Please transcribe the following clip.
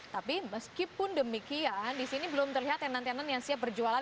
tapi meskipun demikian di sini belum terlihat tenan tenan yang siap berjualan